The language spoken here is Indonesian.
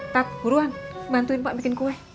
tat buruan bantuin pak bikin kue